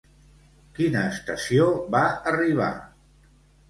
Quina estació va arribar?